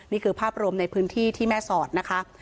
นี่คือภาพรวมในพื้นที่ที่แม่สอดนะคะ